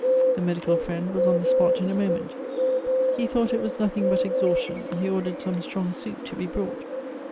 The medical friend was on the spot in a moment. He thought it was nothing but exhaustion. He ordered some strong soup to be brought.